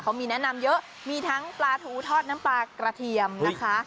เขามีแนะนำเยอะมีทั้งปลาทูทอดน้ำปลากระเทียมนะคะ